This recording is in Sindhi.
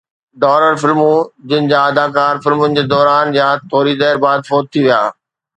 ڊارر فلمون جن جا اداڪار فلمن جي دوران يا ٿوري دير بعد فوت ٿي ويا